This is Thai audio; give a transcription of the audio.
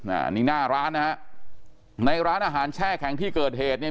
อันนี้หน้าร้านนะฮะในร้านอาหารแช่แข็งที่เกิดเหตุเนี่ย